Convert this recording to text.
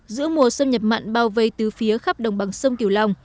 giữa mùa xâm nhập mặn bao vây từ phía khắp đồng bằng sông kiều long